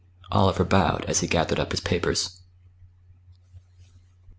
Oliver bowed as he gathered up his papers.